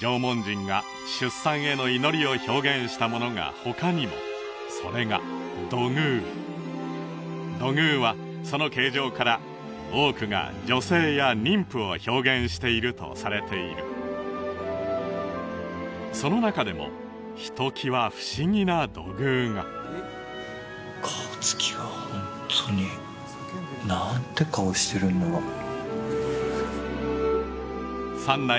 縄文人が出産への祈りを表現したものが他にもそれが土偶土偶はその形状から多くが女性や妊婦を表現しているとされているその中でもひときわ不思議な土偶が顔つきがホントに何て顔してるんだろう三内